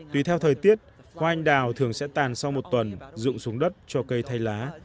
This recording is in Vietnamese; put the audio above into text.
tùy theo thời tiết hoa anh đào thường sẽ tàn sau một tuần dụng xuống đất cho cây thay lá